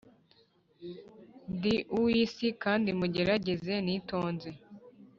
ndi uw'isi, kandi mugerageze nitonze